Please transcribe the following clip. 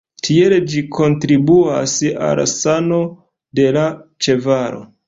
Tiel ĝi kontribuas al sano de la ĉevalo.